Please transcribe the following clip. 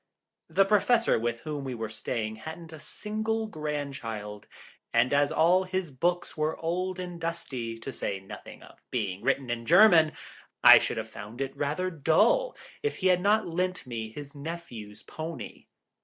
The Professor with whom we were staying hadn't a single grandchild, and as all his books were old and dusty, to say nothing of being written in German, I should have found it rather dull if he had not lent me his nephew's pony.